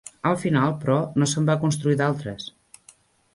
Al final, però, no se'n van construir d'altres.